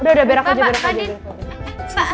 udah berak aja berak aja